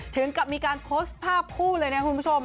ถึงกับมีการโพสต์ภาพคู่เลยนะคุณผู้ชม